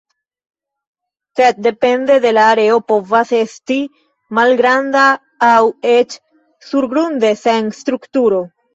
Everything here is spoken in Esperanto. Sed depende de la areo povas esti malgranda aŭ eĉ surgrunde sen strukturo.